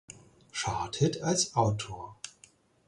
Charthit als Autor.